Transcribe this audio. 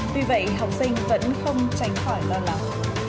tuy vậy học sinh vẫn không tránh khỏi lo lắng